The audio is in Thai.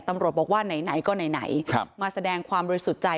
ตำรวจบอกว่าไหนก็ไหนมาแสดงความบริสุทธิ์ใจ